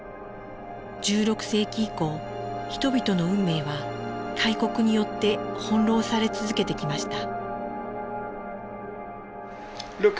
１６世紀以降人々の運命は大国によって翻弄され続けてきました。